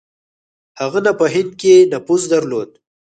هغه نه په هند کې نفوذ درلود.